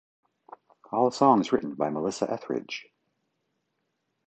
All songs written by Melissa Etheridge.